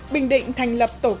bình định thành lập tổ công trình